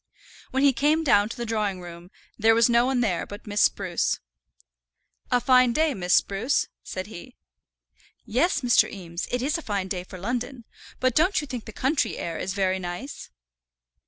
When he came down to the drawing room, there was no one there but Miss Spruce. "A fine day, Miss Spruce," said he. "Yes, Mr. Eames, it is a fine day for London; but don't you think the country air is very nice?"